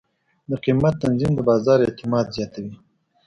د قیمت تنظیم د بازار اعتماد زیاتوي.